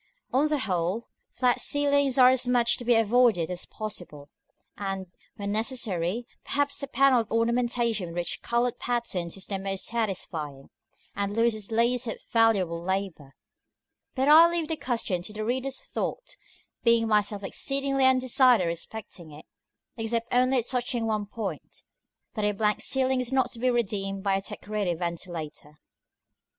On the whole, flat ceilings are as much to be avoided as possible; and, when necessary, perhaps a panelled ornamentation with rich colored patterns is the most satisfying, and loses least of valuable labor. But I leave the question to the reader's thought, being myself exceedingly undecided respecting it: except only touching one point that a blank ceiling is not to be redeemed by a decorated ventilator. § IV.